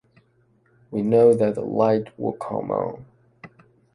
We know that the light will come on.